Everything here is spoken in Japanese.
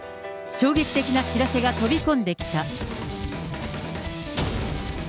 衝撃的な知らせが飛び込んできた。